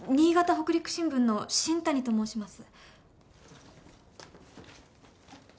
北陸新聞の新谷と申します。